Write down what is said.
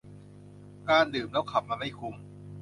การดื่มแล้วขับมันไม่คุ้ม